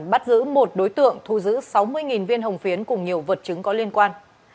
bắt giữ một đối tượng thu giữ sáu mươi viên hồng phiến cùng nhiều vật chứng có liên quan